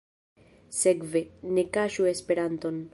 Sekve, ne kaŝu Esperanton.